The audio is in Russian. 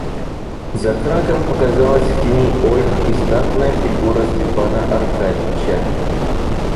За Краком показалась в тени ольх и статная фигура Степана Аркадьича.